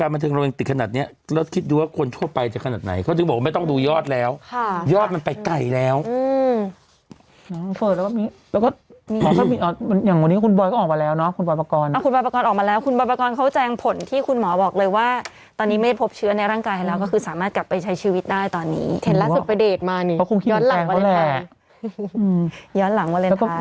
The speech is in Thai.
มันอาจจะด้วยสไตล์การแต่งหน้าก็เลยออกมาดู